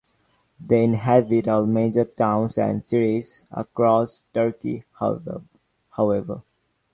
They inhabit all major towns and cities across Turkey, however.